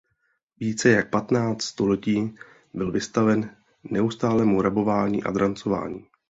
Více jak patnáct století byl vystaven neustálému rabování a drancování.